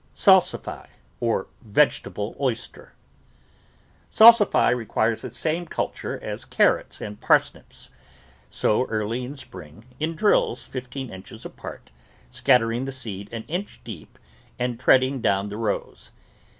SALSIFY OR VEGETABLE OYSTER Salsify requires the same culture as carrots and parsnips. Sow early in spring in drills fifteen inches apart, scattering the seed an inch deep and treading down the rows.